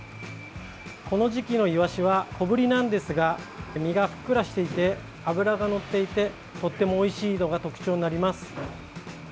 この時期のイワシは小ぶりなんですが身がふっくらしていて脂がのっていてとってもおいしいのが特徴になります。